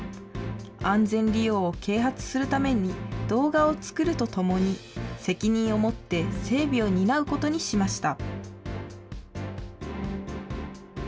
安全利用を啓発するために、動画を作るとともに、責任を持って整備を担うことにしました。